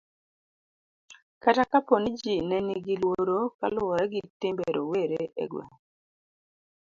kata kapo ni ji nenigi luoro kaluwore gi timbe rowere e gweng'